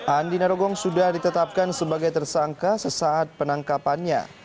andi narogong sudah ditetapkan sebagai tersangka sesaat penangkapannya